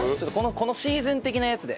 このシーズン的なやつで。